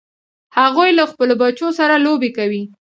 هغوی له خپلو بچو سره لوبې کوي